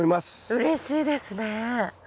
うれしいですね。